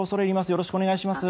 よろしくお願いします。